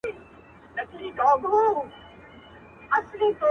ما ددې غرونو په لمنو کي شپېلۍ ږغول!